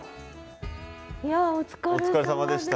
いやぁお疲れさまでした。